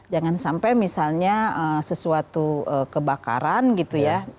jangan sampai misalnya sesuatu kebakaran gitu ya